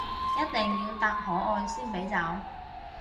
一定要答可愛先俾走